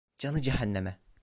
Canı cehenneme.